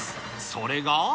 それが。